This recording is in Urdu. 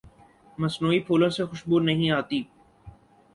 مصنوعی پھولوں سے خوشبو نہیں آتی